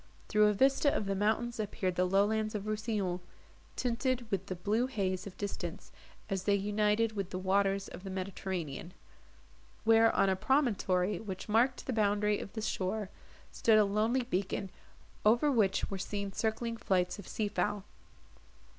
Through a vista of the mountains appeared the lowlands of Rousillon, tinted with the blue haze of distance, as they united with the waters of the Mediterranean; where, on a promontory, which marked the boundary of the shore, stood a lonely beacon, over which were seen circling flights of sea fowl.